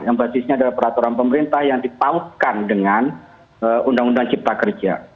yang basisnya adalah peraturan pemerintah yang dipautkan dengan undang undang cipta kerja